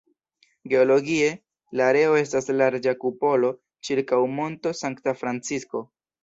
Geologie, la areo estas larĝa kupolo ĉirkaŭ Monto Sankta Francisko.